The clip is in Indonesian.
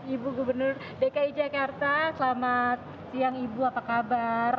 ibu gubernur dki jakarta selamat siang ibu apa kabar